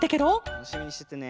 たのしみにしててね。